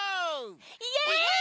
イエーイ！